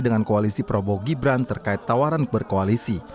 dengan koalisi prabowo gibran terkait tawaran berkoalisi